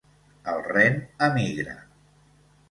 El ren emigra.